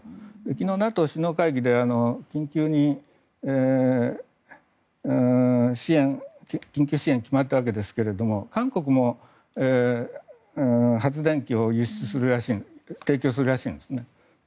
昨日、ＮＡＴＯ首脳会議で緊急支援が決まったわけですが韓国も発電機を提供するらしいんです。